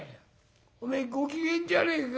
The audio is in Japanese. おめえご機嫌じゃねえか」。